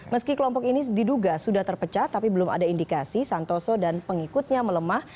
meski kelompok ini diduga sudah terpecah tapi belum ada indikasi santoso dan pengikutnya melemah